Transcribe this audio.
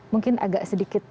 mungkin agak sedikit